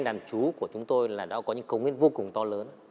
đàn chú của chúng tôi là đã có những công hiến vô cùng to lớn